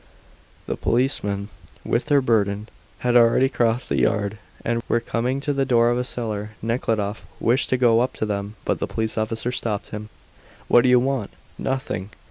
The policemen with their burden had already crossed the yard, and were coming to the door of a cellar. Nekhludoff wished to go up to them, but the police officer stopped him. "What do you want?" "Nothing."